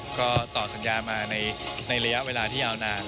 ก็ต่อสัญญามาในระยะเวลาที่ยาวนาน